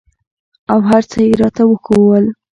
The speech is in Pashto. او هرڅه يې راته راوښوول.